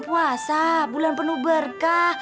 puasa bulan penuh berkah